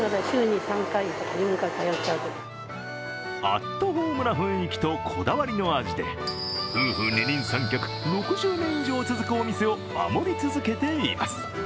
アットホームな雰囲気とこだわりの味で夫婦二人三脚、６０年以上続くお店を守り続けています。